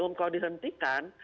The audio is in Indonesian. umum kalau dihentikan